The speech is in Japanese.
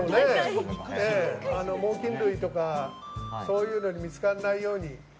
猛禽類とかそういうのに見つからないように。